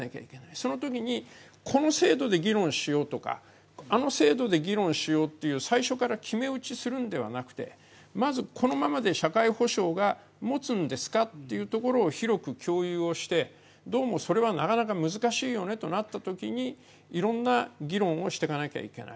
そのときにこの制度で議論しようとかあの制度で議論しようっていう最初から決め打ちをするんじゃなくてまずこのままで社会保障がもつんですかというところを広く共有をしてどうもそれはなかなか難しいよねとなったときにいろんな議論をしていかなきゃいけない。